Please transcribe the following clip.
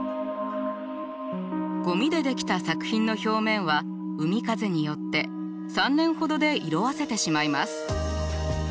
ゴミで出来た作品の表面は海風によって３年ほどで色あせてしまいます。